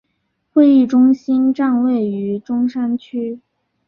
会议中心站位于中山区。